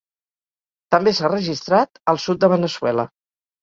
També s'ha registrat al sud de Veneçuela.